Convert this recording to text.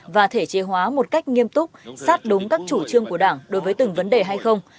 và thể chế hóa một cách nghiêm túc sát đúng các chủ trương của đảng đối với từng vấn đề hay không